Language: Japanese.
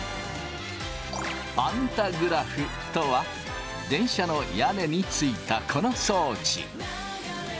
パンタグラフとは電車の屋根についたこの装置。